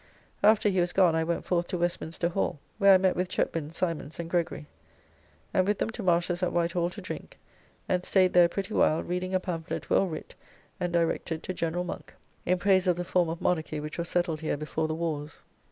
After he was gone I went forth to Westminster Hall, where I met with Chetwind, Simons, and Gregory. And with them to Marsh's at Whitehall to drink, and staid there a pretty while reading a pamphlet well writ and directed to General Monk, in praise of the form of monarchy which was settled here before the wars.